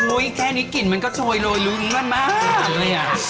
อุ๊ยแค่นี้กลิ่นมันก็โชว์โหยโหยรุนร้อนมากเลยอะ